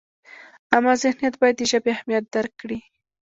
عامه ذهنیت باید د ژبې اهمیت درک کړي.